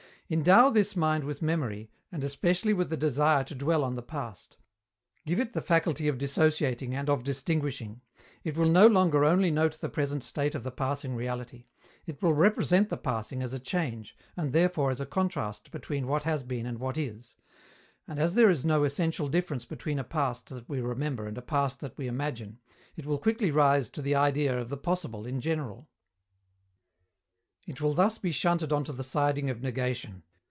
Endow this mind with memory, and especially with the desire to dwell on the past; give it the faculty of dissociating and of distinguishing: it will no longer only note the present state of the passing reality; it will represent the passing as a change, and therefore as a contrast between what has been and what is. And as there is no essential difference between a past that we remember and a past that we imagine, it will quickly rise to the idea of the "possible" in general. It will thus be shunted on to the siding of negation.